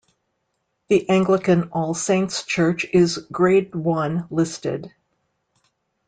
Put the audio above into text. The Anglican All Saints' Church is Grade One listed.